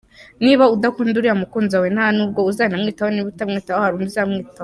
Niba udakunda uriya mukunzi wawe nta nubwo uzanamwitaho, niba utazamwitaho hari undi uzamwitaho.